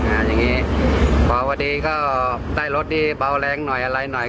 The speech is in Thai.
อ่าอย่างงี้เพราะวันนี้ก็ได้รถดีเบาแรงหน่อยอะไรหน่อย